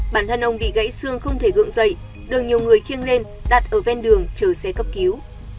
bản thân ông bị gãy xương không thể gượng dậy đường nhiều người khiêng lên đặt ở ven đường chờ xe cấp cứu